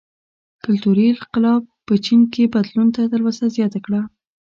کلتوري انقلاب په چین کې بدلون ته تلوسه زیاته کړه.